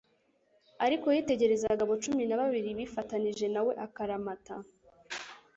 Ariko yitegerezaga abo cumi na babiri bifatanije na we akaramata,